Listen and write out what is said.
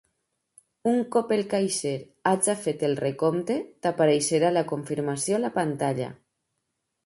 Un cop el caixer hagi fet el recompte t'apareixerà la confirmació a la pantalla.